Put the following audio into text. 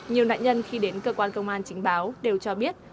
nhiều nạn nhân khi đến cơ quan công an chính báo đều cho biết